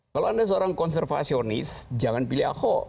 kalau anda seorang konservasionis jangan pilih ahok